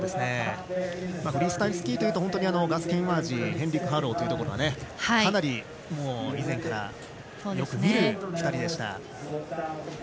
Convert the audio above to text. フリースタイルスキーというとガス・ケンワージーヘンリク・ハーロウというところはかなり以前からよく見る２人でした。